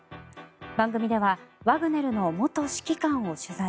番組ではワグネルの元指揮官を取材。